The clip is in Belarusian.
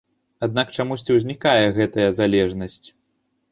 Аднак чамусьці ўзнікае гэтая залежнасць.